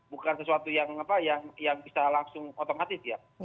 bukan sesuatu yang apa yang bisa langsung otomatis ya